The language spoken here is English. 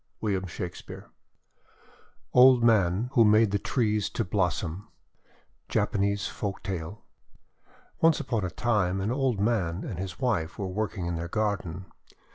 WILLIAM SHAKESPEARE OLD MAN WHO MADE THE TREES TO BLOSSOM Japanese Folktale ONCE upon a time, an old man and his wife were working in their garden.